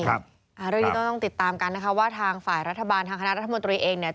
เรื่องนี้ต้องติดตามกันนะคะว่าทางฝ่ายรัฐบาลทางคณะรัฐมนตรีเองเนี่ย